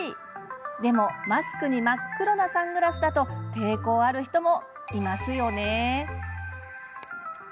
でもマスクに真っ黒なサングラスだと抵抗ある人もいますよね。